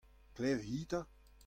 Klev-hi 'ta !